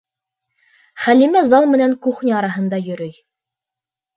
Хәлимә зал менән кухня араһында йөрөй.